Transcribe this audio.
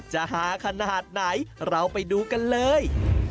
ฮาขนาดไหนเราไปดูกันเลย